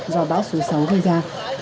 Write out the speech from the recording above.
do bão số sáu gây ra